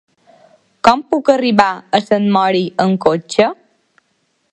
Com puc arribar a Sant Mori amb cotxe?